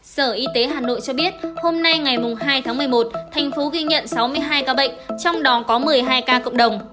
sở y tế hà nội cho biết hôm nay ngày hai tháng một mươi một thành phố ghi nhận sáu mươi hai ca bệnh trong đó có một mươi hai ca cộng đồng